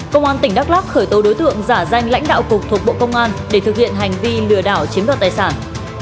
công an tỉnh đắk lắc khởi tố đối tượng giả danh lãnh đạo cục thuộc bộ công an để thực hiện hành vi lừa đảo chiếm đoạt tài sản